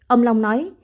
ông long nói